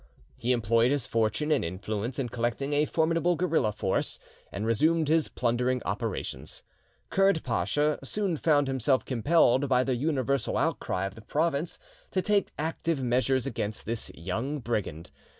He employed his fortune and influence in collecting a formidable guerilla force, and resumed his plundering operations. Kurd Pacha soon found himself compelled, by the universal outcry of the province, to take active measures against this young brigand.